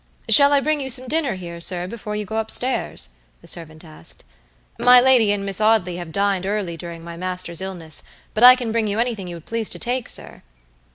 "Shall I bring you some dinner here, sir, before you go up stairs?" the servant asked. "My lady and Miss Audley have dined early during my master's illness, but I can bring you anything you would please to take, sir."